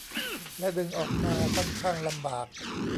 และดึงออกมาค่อนข้างลำบาก